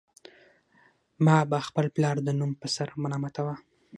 ما به خپل پلار د نوم په سر ملامتاوه